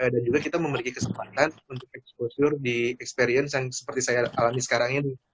juga kita memiliki kesempatan untuk exposure di experience yang seperti saya alami sekarang ini